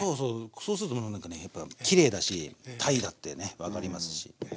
そうするとなんかねきれいだし鯛だってね分かりますし。